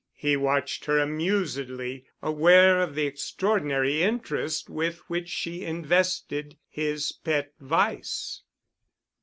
He watched her amusedly, aware of the extraordinary interest with which she invested his pet vice.